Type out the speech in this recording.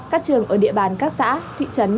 các trường ở địa bàn các xã thị trấn